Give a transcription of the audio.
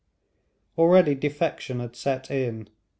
Already defection had set in.